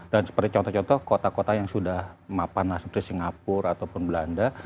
dan seperti contoh contoh kota kota yang sudah mapan seperti singapura ataupun belanda